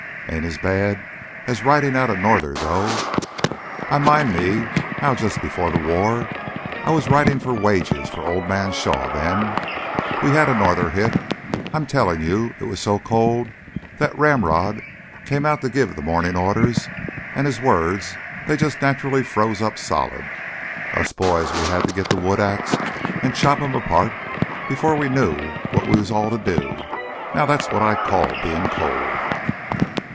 "Ain't as bad as ridin' out a norther, though. I 'mind me how jus' 'fore th' war—I was ridin' for wages for Old Man Shaw then—we had a norther hit. I'm tellin' you, it was so cold th' ramrod came out to give th' mornin' orders an' his words, they jus' naturally froze up solid. Us boys, we hadda go git th' wood ax an' chop 'em apart 'fore we knew what we was all to do. Now that's what I call bein' cold!"